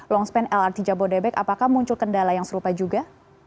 long span lrt jabodetabek apakah muncul kendala yang serupa juga